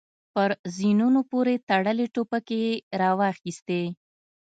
پر زينونو پورې تړلې ټوپکې يې را واخيستې.